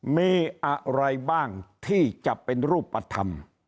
มีอะไรบ้างที่จะเป็นรูปธรรม